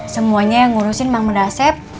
semuanya yang ngurusin mang mendasep